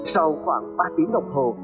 sau khoảng ba tiếng đồng hồ